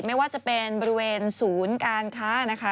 ไม่ว่าจะเป็นบริเวณศูนย์การค้านะคะ